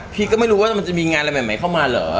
พี่ก็ไม่รู้ว่ามันจะมีงานอะไรใหม่เข้ามาเหรอ